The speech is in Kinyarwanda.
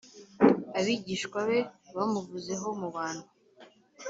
abigishwa be bamuvuzeho mu bantu.